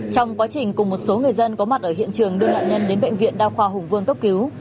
trong quá trình cùng một số người dân có mặt ở hiện trường đưa nạn nhân đến bệnh viện đa khoa hùng vương cấp cứu